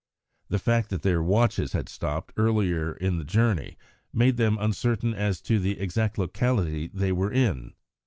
The fact that their watches had stopped earlier on the journey made them uncertain as to the exact locality they were in.